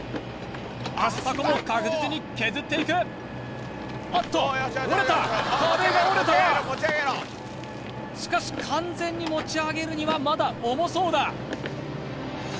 アスタコも確実に削っていくあっと折れた壁が折れたしかし完全に持ち上げるにはまだ重そうだ